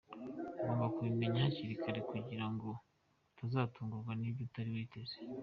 Ugomba kubimenya hakiri kare kugira ngo utazatungurwa n’ibyo utari witeze.